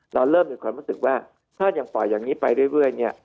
เราเริ่มมีความรู้สึกว่าถ้ายังปล่อยอย่างนี้ไปด้วย